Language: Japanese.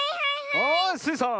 はいスイさん。